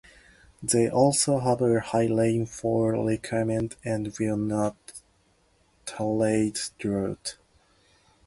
They also have a high rainfall requirement and will not tolerate drought.